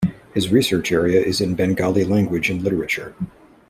His research area is in Bengali language and literature.